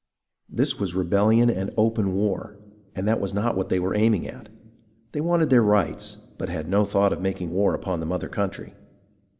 This was rebellion and open war, and that was not what they were aiming at. They wanted their rights, but had no thought of making war upon the mother country.